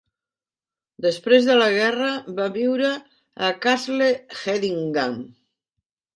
Després de la guerra va viure a Castle Hedingham.